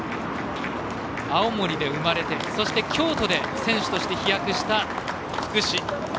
青森で生まれて、そして京都で選手として飛躍した福士。